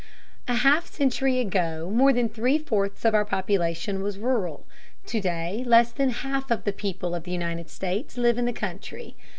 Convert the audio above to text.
A half century ago more than three fourths of our population was rural; to day less than half of the people of the United States live in the country.